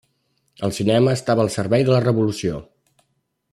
El cinema estava al servei de la revolució.